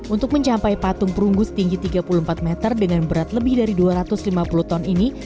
untuk mencapai patung perunggu setinggi tiga puluh empat meter dengan berat lebih dari dua ratus lima puluh ton ini